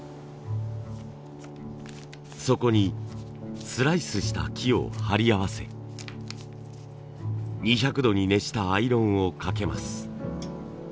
そこにスライスした木を貼り合わせ２００度に熱したアイロンをかけます。